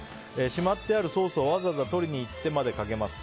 しまってあるソースをわざわざ取りに行ってまでかけます。